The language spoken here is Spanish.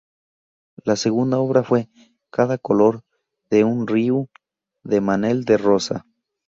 La segunda obra fue "Cada color d'un riu", de Manel de Rosa.